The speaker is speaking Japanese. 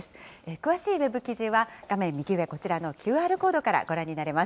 詳しいウェブ記事は、画面右上、こちらのＱＲコードからご覧になれます。